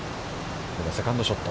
セカンドショット。